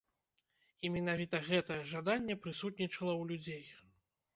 І менавіта гэтае жаданне прысутнічала ў людзей.